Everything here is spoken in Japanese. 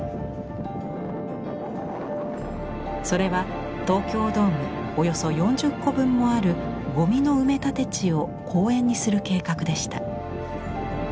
それは東京ドームおよそ４０個分もあるゴミの埋め立て地を公園にする計画でした。